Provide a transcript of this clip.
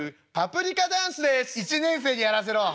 「１年生にやらせろ！